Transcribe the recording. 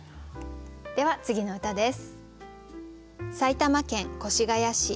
では次の歌です。